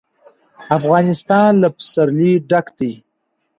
افغانستان له پسرلی ډک دی.